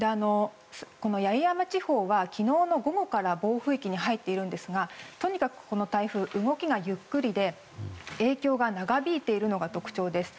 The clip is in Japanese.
八重山地方は昨日の午後から暴風域に入っているんですがとにかくこの台風動きがゆっくりで影響が長引いているのが特徴です。